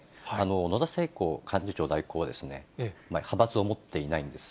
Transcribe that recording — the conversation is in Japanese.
野田聖子幹事長代行は派閥を持っていないんです。